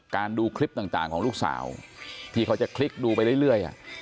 ดูคลิปต่างของลูกสาวที่เขาจะคลิกดูไปเรื่อย